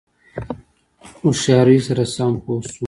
هوښیاری سره سم پوه شو.